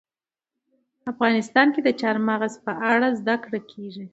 افغانستان کې د چار مغز په اړه زده کړه کېږي.